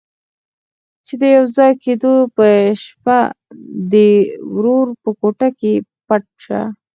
چې د يوځای کېدو په شپه دې د ورور په کوټه کې پټ شه.